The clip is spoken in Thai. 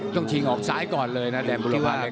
ต้องชิงออกซ้ายก่อนเลยนะแดงบุรพันธ์